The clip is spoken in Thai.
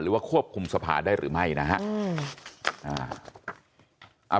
ทบคุมสภาคได้หรือไม่นะฮะ